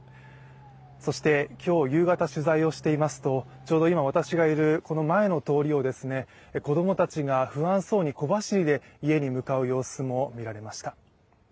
そして今日夕方、取材していますとちょうど私がいる前の通りを子供たちが不安そうに小走りで家に向かう様子も見られました。